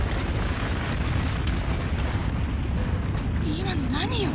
今の何よ？